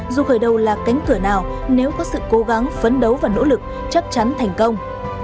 dù khởi đầu là cánh cửa nào nếu có sự cố gắng phấn đấu và nỗ lực chắc chắn thành công